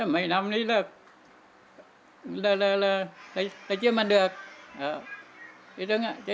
mấy năm này là chưa mà được